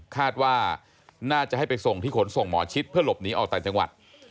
คาดว่าน่าจะให้ไปส่งที่ขนส่งหมอชิดเพื่อหลบหนีออกต่างจังหวัด